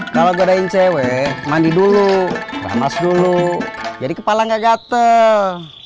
kalau gue ada cewek mandi dulu ramas dulu jadi kepala gak gatel